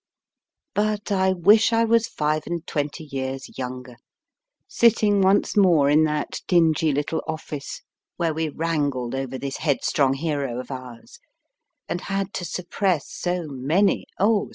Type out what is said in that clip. But I wish I was five and twenty years WALTER J3ESANT 13 younger, sitting once more in that dingy little office where we wrangled over this headstrong hero of ours, and had to sup press so many oh